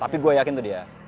tapi gue yakin itu dia